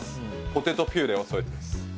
ポテトピューレを添えてます